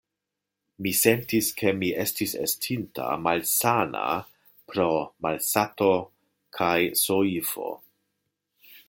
Mi sentis, ke mi estis estinta malsana pro malsato kaj soifo.